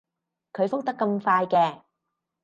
佢覆得咁快嘅